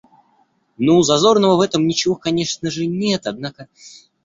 Ну, зазорного в этом ничего конечно же нет, однако...